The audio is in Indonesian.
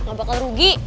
gak bakal rugi